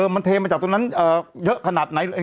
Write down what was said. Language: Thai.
มันเทมาจากตรงนั้นเยอะขนาดไหน